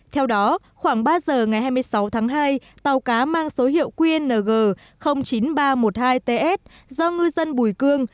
theo đó khoảng ba giờ ngày hai mươi sáu tháng hai tàu cá mang số hiệu qng chín nghìn ba trăm một mươi hai ts do ngư dân bùi cương